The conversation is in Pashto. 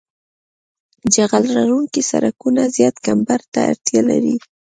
جغل لرونکي سرکونه زیات کمبر ته اړتیا لري